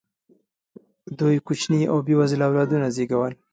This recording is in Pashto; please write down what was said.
دوی کوچني او بې وزله اولادونه زېږول.